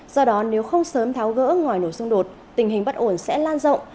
do đó nếu không sớm tháo gỡ ngoài nổ xung đột tình hình bất ổn sẽ lan rộng